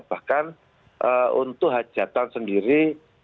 bahkan untuk hajatan sendiri